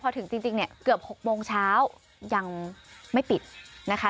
พอถึงจริงเนี่ยเกือบ๖โมงเช้ายังไม่ปิดนะคะ